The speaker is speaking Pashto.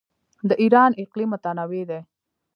د ایران اقلیم متنوع دی.